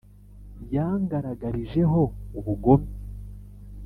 yangaragarijeho ubugome